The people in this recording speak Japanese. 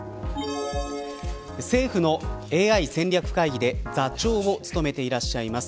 政府のＡＩ戦略会議で座長を務めていらっしゃいます